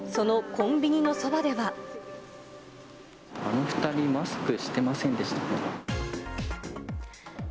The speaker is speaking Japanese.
あの２人、マスクしてませんでしたね。